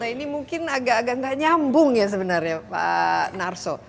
ini mungkin agak agak nggak nyambung ya sebenarnya pak narso